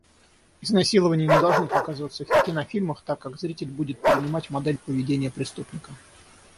Изнасилования не должны показываться в кинофильмах, так как зритель будет перенимать модель поведения преступника.